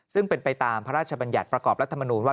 ซึ่งเป็นไปตามพระราชบัญญัติประกอบรัฐมนูลว่า